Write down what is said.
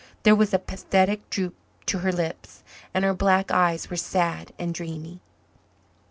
There was a pathetic droop to her lips, and her black eyes were sad and dreamy.